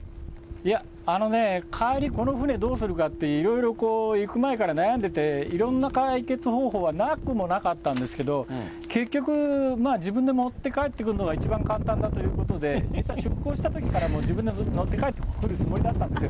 あのね、帰り、この船、どうするかって、いろいろ行く前から悩んでて、いろんな解決方法はなくもなかったんですけど、結局、自分で持って帰ってくるのが一番簡単だということで、実は出航したときから自分で乗って帰ってくるつもりだったんですよ。